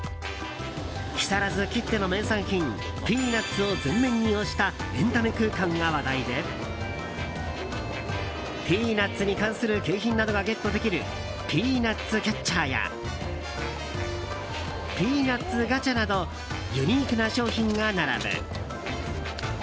木更津きっての名産品ピーナッツを前面に推したエンタメ空間が話題でピーナッツに関する景品などがゲットできるピーナッツキャッチャーやピーナッツガチャなどユニークな商品が並ぶ。